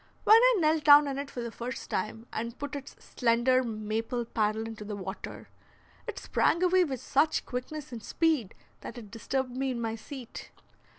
When I knelt down in it for the first time and put its slender maple paddle into the water, it sprang away with such quickness and speed that it disturbed me in my seat.